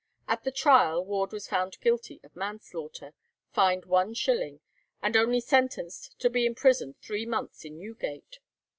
At the trial Ward was found guilty of manslaughter, fined one shilling, and only sentenced to be imprisoned three months in Newgate.